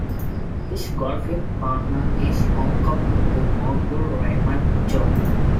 His golfing partner is Hong Kong movie mogul Raymond Chow.